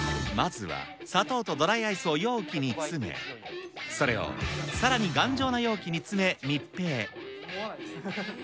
まずは砂糖とドライアイスを容器に詰め、それをさらに頑丈な容器に詰め、密閉。